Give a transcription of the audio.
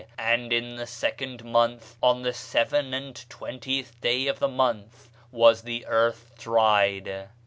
And in the second month, on the seven and twentieth day of the month, was the earth dried.